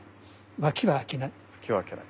脇は開けない。